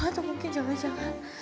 atau mungkin jangan jangan